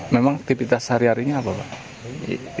memang aktivitas sehari harinya apa pak